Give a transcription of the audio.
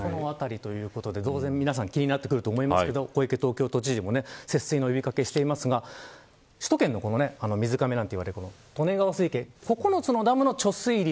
そのあたりということで当然、皆さん気になってくると思いますが小池東京都知事も節水の呼び掛けをしていますが人気の水がめなんて言われる利根川水系。